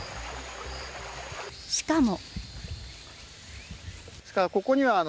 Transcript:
しかも。